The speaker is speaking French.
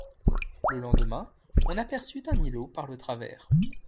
Le lendemain, on aperçut un îlot par le travers